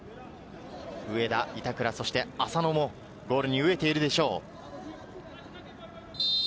植田、板倉、そして浅野もゴールに飢えているでしょう。